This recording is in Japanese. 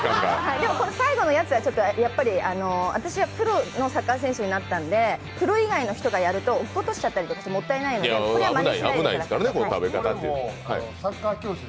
でも最後のやつは、私はプロのサッカー選手になってるのでプロ以外の人がやると、落っことしたりしてもったいないのでやらないでください。